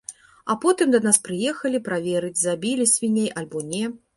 А потым да нас прыехалі праверыць, забілі свіней альбо не.